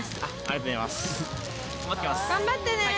頑張ってね！